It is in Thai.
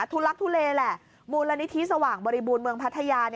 ทุลักทุเลแหละมูลนิธิสว่างบริบูรณ์เมืองพัทยา